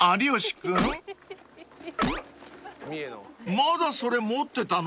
［まだそれ持ってたの？］